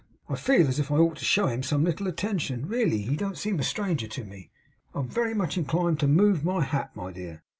I feel as if I ought to show him some little attention, really. He don't seem a stranger to me. I'm very much inclined to move my hat, my dear.